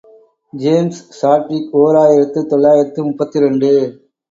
James Chadwick, ஓர் ஆயிரத்து தொள்ளாயிரத்து முப்பத்திரண்டு.